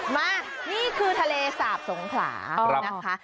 มานี่คือทะเลสาบสงขลานะคะ